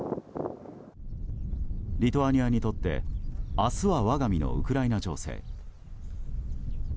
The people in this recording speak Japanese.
リトアニアにとって明日は我が身のウクライナ情勢。